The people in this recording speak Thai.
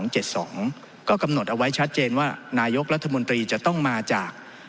ก็กำหนดเอาไว้ชัดเจนว่านายกรัฐมนตรีจะต้องมาจาก